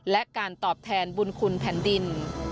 และการตอบแทนบุญคุณแผ่นดิน